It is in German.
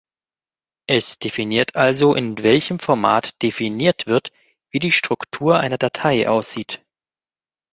Es definiert also, in welchem Format definiert wird, wie die Struktur einer Datei aussieht.